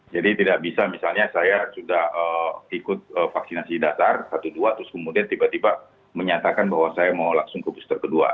jadi tidak bisa misalnya saya sudah ikut vaksinasi dasar satu dan dua terus kemudian tiba tiba menyatakan bahwa saya mau langsung ke booster kedua